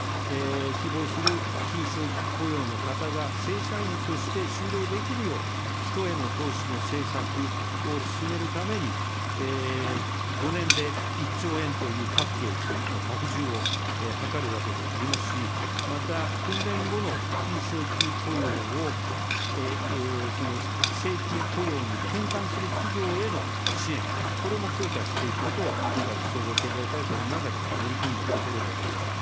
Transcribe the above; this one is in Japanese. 希望する非正規雇用の方が正社員として就労できるよう、人への投資の政策を進めるために、５年で１兆円というパッケージの拡充を図るわけでありますし、また、訓練後の非正規雇用を正規雇用に転換する企業への支援、これも強化していくことを今回の総合経済対策の中で盛り込んだところであります。